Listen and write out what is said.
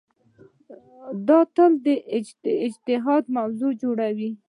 دا تل د اجتهاد موضوع جوړوي.